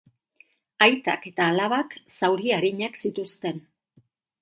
Aitak eta alabak zauri arinak zituzten.